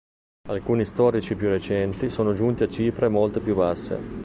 Alcuni storici più recenti sono giunti a cifre molto più basse.